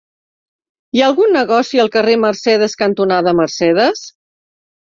Hi ha algun negoci al carrer Mercedes cantonada Mercedes?